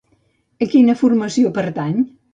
A quina formació pertany?